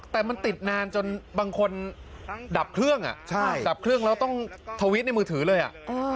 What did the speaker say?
แต่มันติดนานจนบางคนดับเครื่องดับเครื่องแล้วต้องทวิตในมือถือเลยอ่ะ